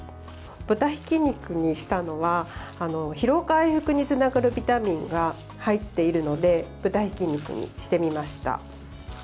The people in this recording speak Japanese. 豚ひき肉にしたのは疲労回復につながるビタミンが入っているので豚ひき肉にしてみました。